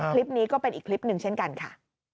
คลิปนี้ก็เป็นอีกคลิปหนึ่งเช่นกันค่ะ